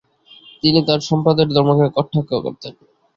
তিনি তার সম্প্রদায়ের ধর্মকে কটাক্ষ করতেন।